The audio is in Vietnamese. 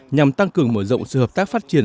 nhằm tăng cường mở rộng sự hợp tác phát triển